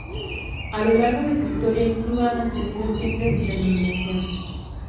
A lo largo de su historia, el club ha mantenido siempre su denominación.